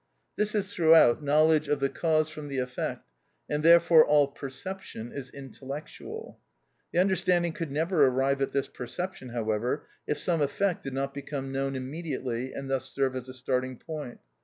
This is throughout knowledge of the cause from the effect, and therefore all perception is intellectual. The understanding could never arrive at this perception, however, if some effect did not become known immediately, and thus serve as a starting point.